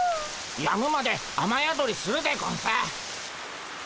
やむまで雨宿りするでゴンス。